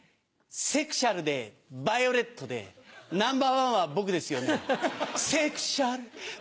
セクシャルでバイオレットでナンバーワンは僕ですよね？